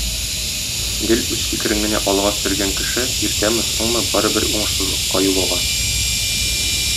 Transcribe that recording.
Гел үз фикерен генә алга сөргән кеше иртәме соңмы барыбер уңышсызлыкка юлыга.